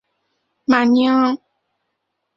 马尼昂。